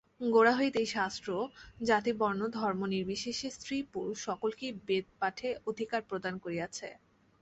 গোড়া হইতেই শাস্ত্র জাতিবর্ণধর্মনির্বিশেষে স্ত্রীপুরুষ সকলকেই বেদপাঠে অধিকার প্রদান করিয়াছে।